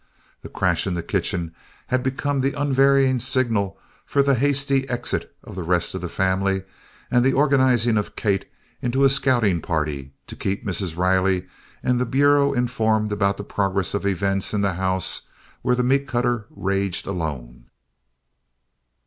The crash in the kitchen had become the unvarying signal for the hasty exit of the rest of the family and the organizing of Kate into a scouting party to keep Mrs. Riley and the Bureau informed about the progress of events in the house where the meat cutter raged alone.